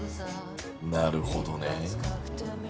なるほどね。